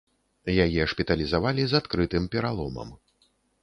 Яе шпіталізавалі з адкрытым пераломам.